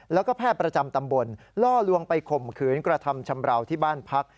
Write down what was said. แล้วก็แพทย์ประจำตำบลล่อลวงไปข่มขืนกระทำชำราวที่บ้านพัก